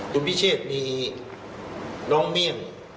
คุณพิเชษมีน้องเมี่ยง